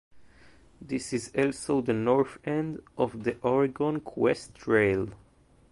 This is also the north end of the Oregon Coast Trail.